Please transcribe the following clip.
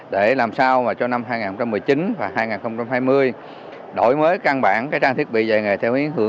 để làm sao mà cho năm hai nghìn một mươi chín và hai nghìn hai mươi đổi mới căn bản cái trang thiết bị dạy nghề